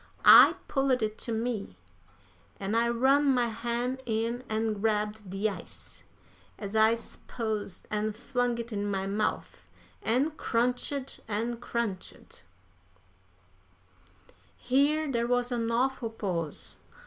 I pulled it to me, an' I run my han' in an' grabbed de ice, as I s'posed, an' flung it in my mouf, an' crunched, an' crunched " Here there was an awful pause.